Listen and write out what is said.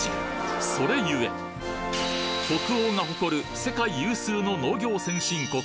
それゆえ北欧が誇る世界有数の農業先進国